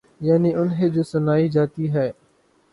یعنی انہیں جو سنائی جاتی ہے۔